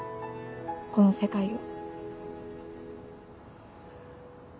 この世界を。